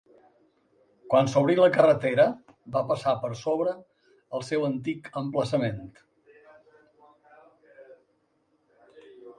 Quan s'obrí la carretera, va passar per sobre el seu antic emplaçament.